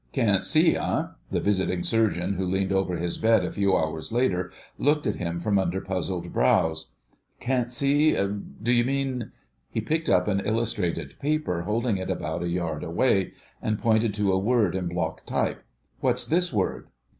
"Can't see, eh?" The visiting Surgeon who leaned over his bed a few hours later looked at him from under puzzled brows. "Can't see—d'you mean...." He picked up an illustrated paper, holding it about a yard away, and pointed to a word in block type: "What's this word?"